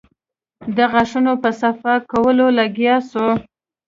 د غاښونو په صفا کولو لگيا سو.